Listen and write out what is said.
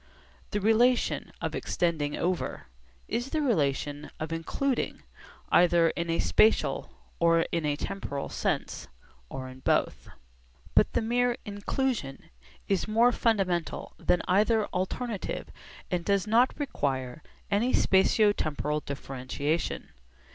The relation of 'extending over' is the relation of 'including,' either in a spatial or in a temporal sense, or in both. But the mere 'inclusion' is more fundamental than either alternative and does not require any spatio temporal differentiation.